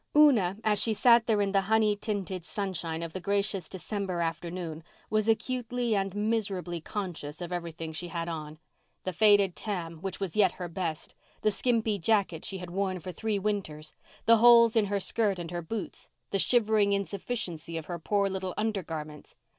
Una, as she sat there in the honey tinted sunshine of the gracious December afternoon, was acutely and miserably conscious of everything she had on—the faded tam, which was yet her best, the skimpy jacket she had worn for three winters, the holes in her skirt and her boots, the shivering insufficiency of her poor little undergarments.